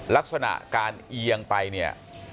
ลักษณะการอียางไป